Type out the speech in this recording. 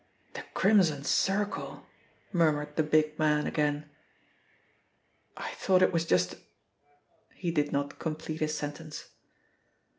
"The Crimson Circle," murmured the big man again. "I thought it was just a " he did not complete his sentence.